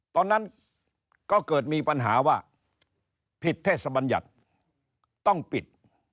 ตอนนั้นก็เกิดมีปัญหาว่าผิดเทศบัญญัติต้องปิด